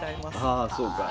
ああそうか。